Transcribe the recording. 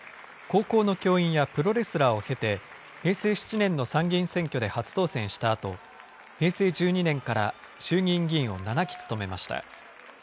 高校の教員やプロレスラーを経て、平成７年の参議院選挙で初当選したあと、平成１２年から、衆議院議員を７期務めました。